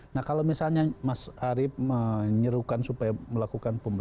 nah kalau misalnya mas arief menyerukan supaya melakukan pembelajar